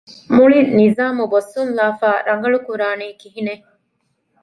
މުޅި ނިޒާމު ބޮއްސުންލާފައި، ރަނގަޅުކުރާނީ ކިހިނެއް؟